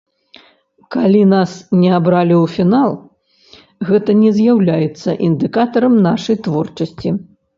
Калі нас не абралі ў фінал, гэта не з'яўляецца індыкатарам нашай творчасці.